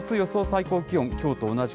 最高気温、きょうと同じ